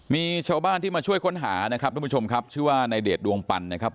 มีชาวบ้านที่มาช่วยค้นหานะครับทุกผู้ชมครับชื่อว่าในเดชดวงปันนะครับ